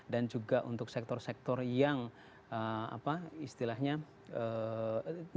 dan juga untuk sektor sektor yang apa istilahnya nilai strategisnya itu tidak mampu ya